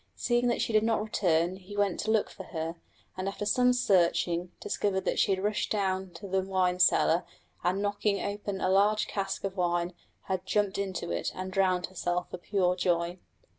Seeing that she did not return, he went to look for her, and after some searching discovered that she had rushed down to the wine cellar and knocking open a large cask of wine had jumped into it and drowned herself for pure joy.